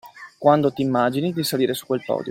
Quando ti immagini di salire su quel podio.